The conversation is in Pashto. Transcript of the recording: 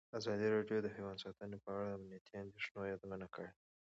ازادي راډیو د حیوان ساتنه په اړه د امنیتي اندېښنو یادونه کړې.